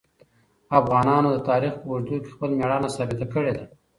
افغانانو د تاریخ په اوږدو کې خپل مېړانه ثابته کړې ده.